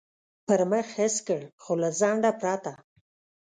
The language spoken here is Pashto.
پر مخ حس کړ، خو له ځنډه پرته.